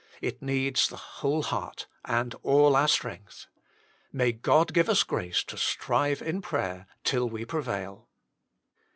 It needs the whole heart and all our strength. May Cod give us grace to strive in prayer till we prevail.